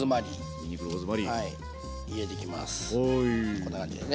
こんな感じでね。